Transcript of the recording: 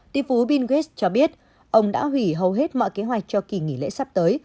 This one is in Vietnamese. tỷ phú bilges cho biết ông đã hủy hầu hết mọi kế hoạch cho kỳ nghỉ lễ sắp tới